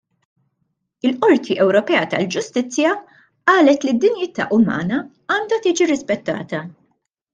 Il-Qorti Ewropea tal-Ġustizzja qalet li d-dinjità umana għandha tiġi rispettata.